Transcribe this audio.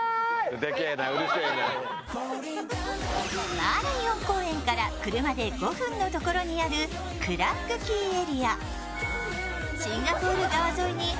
マーライオン公園から車で５分のところにあるクラーク・キーエリア。